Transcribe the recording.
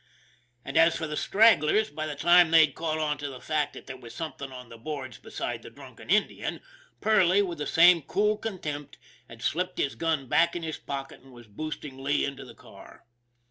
And as for the stragglers, by the time they'd caught on to the fact that there was something on the boards besides that drunken Indian, Perley, with the same cool contempt, had slipped his gun back in his pocket and was boosting Lee into the car.